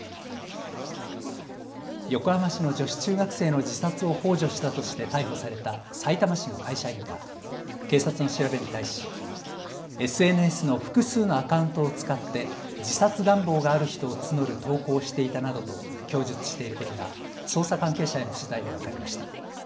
横浜市の女子中学生の自殺をほう助したとして逮捕されたさいたま市の会社員が警察の調べに対しＳＮＳの複数のアカウントを使って自殺願望がある人を募る投稿をしていたなどと供述していることが捜査関係者への取材で分かりました。